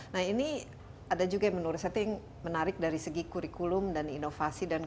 nah ini ada juga yang menurut saya itu yang menarik dari segi kurikulum dan inovasi